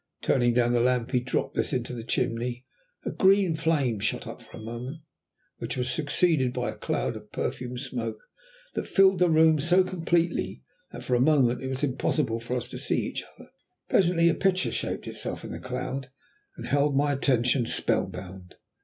Turning down the lamp he dropped this into the chimney. A green flame shot up for a moment, which was succeeded by a cloud of perfumed smoke that filled the room so completely that for a moment it was impossible for us to see each other. Presently a picture shaped itself in the cloud and held my attention spell bound.